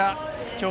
今日